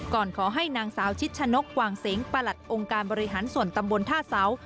ก่อนขอให้นางสาวชิดชะนกกวางเสงประหลัดองค์การบริหารส่วนตำบลท่าเสา